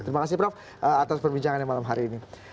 terima kasih prof atas perbincangan yang malam hari ini